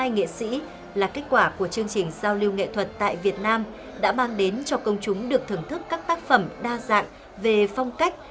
hai nghệ sĩ là kết quả của chương trình giao lưu nghệ thuật tại việt nam đã mang đến cho công chúng được thưởng thức các tác phẩm đa dạng về phong cách